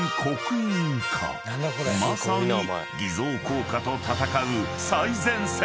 ［まさに偽造硬貨と戦う最前線］